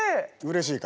うれしい！